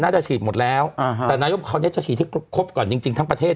น่าจะฉีดหมดแล้วแต่นายกคราวนี้จะฉีดให้ครบก่อนจริงทั้งประเทศ